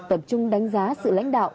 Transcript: tập trung đánh giá sự lãnh đạo